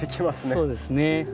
そうですね。